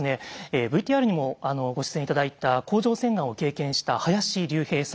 ＶＴＲにもご出演頂いた甲状腺がんを経験した林竜平さん。